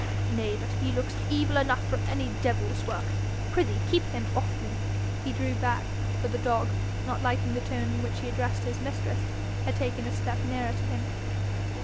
Nay, but he looks evil enough for any devil's work! Prithee keep him off me.' He drew back, for the dog, not liking the tone in which he addressed his mistress, had taken a step nearer to him.